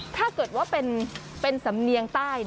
ถ้าเกิดว่าเป็นสำเนียงใต้